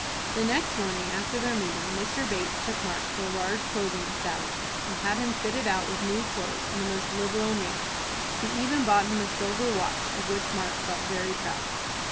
The next morning after their meeting, Mr. Bates took Mark to a large clothing establishment, and had him fitted out with new clothes in the most liberal manner. He even bought him a silver watch, of which Mark felt very proud.